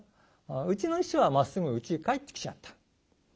うちの師匠はまっすぐうちへ帰ってきちゃった。